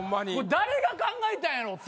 誰が考えたんやろうって。